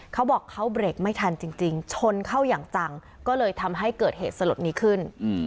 เขาบอกเขาเบรกไม่ทันจริงชนเข้าอย่างจังก็เลยทำให้เกิดเหตุสลดนี้ขึ้น